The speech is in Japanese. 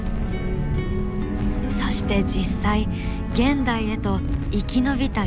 そして実際現代へと生き延びた恐竜がいる。